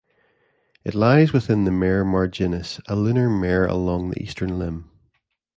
It lies within the Mare Marginis, a lunar mare along the eastern limb.